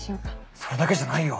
それだけじゃないよ。